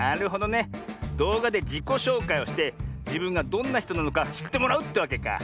どうがでじこしょうかいをしてじぶんがどんなひとなのかしってもらうってわけか。